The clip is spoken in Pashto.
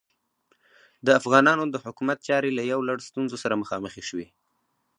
د افغانانو د حکومت چارې له یو لړ ستونزو سره مخامخې شوې.